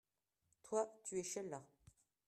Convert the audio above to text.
Toi, tu es Sheila.